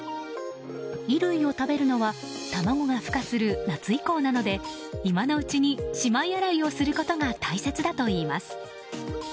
衣類を食べるのは卵が孵化する夏以降なので今のうちにしまい洗いをすることが大切だといいます。